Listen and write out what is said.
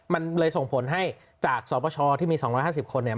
มันเลยส่งผลให้จากสปชที่มี๒๕๐คนเนี่ย